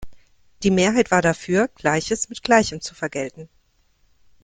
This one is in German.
Die Mehrheit war dafür, Gleiches mit Gleichem zu vergelten.